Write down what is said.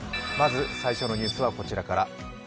まず最初のニュースはこちらから。